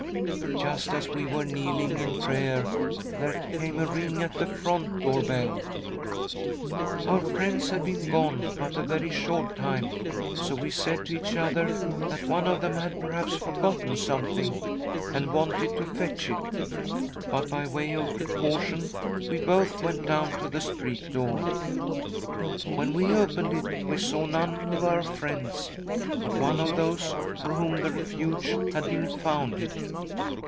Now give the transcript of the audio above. Just as we were kneeling in prayer, there came a ring at the front door bell. " Our friends had been gone but a very short time, so we said to each other that one of them had perhaps forgotten something, and wanted to fetch it ; but, by way of precaution, we both went down to the street door. When we opened it, we saw none of our friends, but one of those for whom the Refuge had been founded.